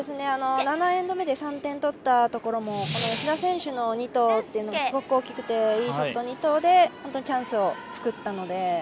７エンド目で３点取ったところも吉田選手の２投というのがすごく大きくていいショット２投でチャンスを作ったので。